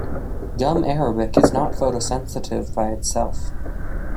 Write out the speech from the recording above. Gum arabic is not photosensitive by itself.